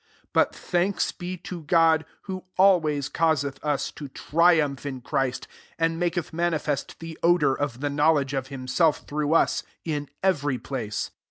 14 But thanks be to God, who always causeth us to tri umph* in Christ, and maketh manifest the odour of the know ledge of himself through us, in every place.